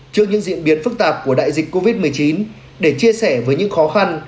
trước những diễn biến phức tạp của đại dịch covid một mươi chín để chia sẻ với những khó khăn